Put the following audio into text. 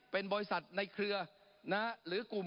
ปรับไปเท่าไหร่ทราบไหมครับ